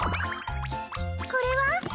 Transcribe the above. これは？